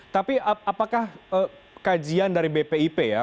tapi apakah kajian dari bpip ya